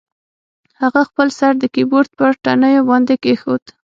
هغه خپل سر د کیبورډ په تڼیو باندې کیښود